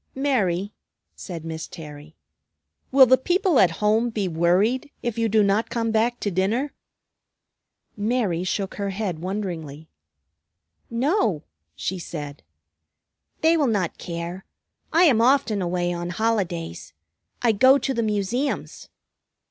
"Mary," said Miss Terry, "will the people at home be worried if you do not come back to dinner?" Mary shook her head wonderingly. "No," she said. "They will not care. I am often away on holidays. I go to the Museums."